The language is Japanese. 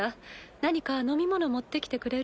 何か飲み物持ってきてくれる？